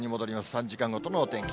３時間ごとのお天気。